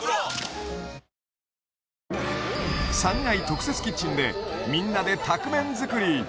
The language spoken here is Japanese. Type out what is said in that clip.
３階特設キッチンでみんなで宅麺作り